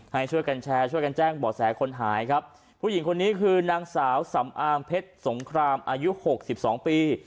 ให้ช่วยกันแชร์ช่วยกันแจ้งบ่อแสคนหายครับผู้หญิงคนนี้คือนางสาวสำอางเพชรสงครามอายุหกสิบสองปี